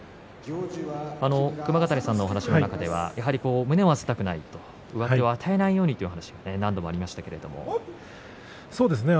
熊ヶ谷さんのお話の中ではやはり胸を合わせたくない上手を与えないようにというお話がありましたね。